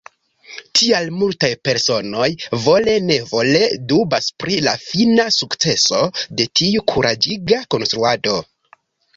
Tial multaj personoj vole-nevole dubas pri la fina sukceso de tiu kuraĝiga konstruado.